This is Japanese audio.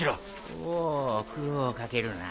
おう苦労をかけるな。